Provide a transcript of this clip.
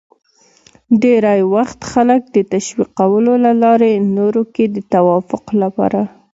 ډېری وخت خلک د تشویقولو له لارې نورو کې د توافق لپاره